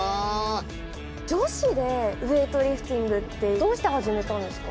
女子でウエイトリフティングってどうして始めたんですか？